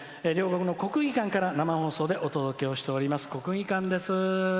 両国の国技館から生放送でお届けをしております。